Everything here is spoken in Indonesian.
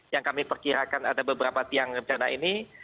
yang kami perkirakan ada beberapa tiang bencana ini